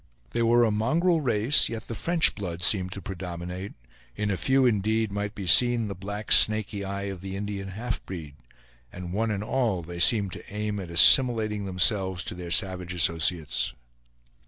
They were a mongrel race; yet the French blood seemed to predominate; in a few, indeed, might be seen the black snaky eye of the Indian half breed, and one and all, they seemed to aim at assimilating themselves to their savage associates.